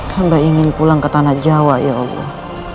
hamba ingin pulang ke tanah jawa ya allah